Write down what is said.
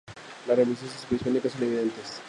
Las reminiscencias prehispánicas son evidentes.